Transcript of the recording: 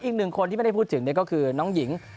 อีกหนึ่งคนที่ไม่ได้พูดถึงก็คือน้องหญิง